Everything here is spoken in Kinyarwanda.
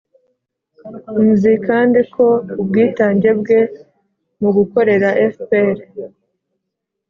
nzi kandi ko ubwitange bwe mu gukorera fpr